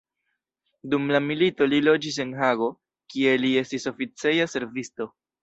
Dum la milito li loĝis en Hago, kie li estis oficeja servisto.